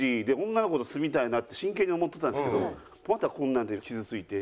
女の子と住みたいなって真剣に思ってたんですけどまたこんなんで傷ついて。